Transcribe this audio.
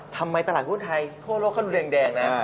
ตลาดหุ้นไทยทั่วโลกเขาดูแดงนะ